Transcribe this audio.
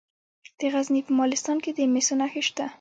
د غزني په مالستان کې د مسو نښې شته.